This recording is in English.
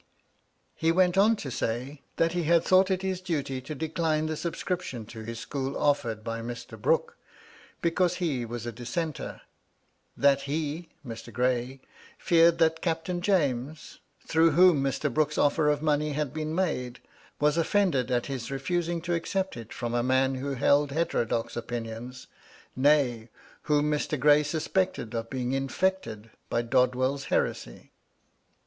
He went on to say, that he had thought it his duty to decline the subscription to his school ofiered by Mr. Brooke, because he was a Dissenter; that he (Mr. Gray) feared that Captain James, through whom Mr. Brooke's ofier of money had been made, was ofiended at his refusing to accept it from a man who MY LADY LUDLOW. 315 held heterodox opinions ; nay, whom Mr. Gray sus pected of being infected by Dod well's heresy.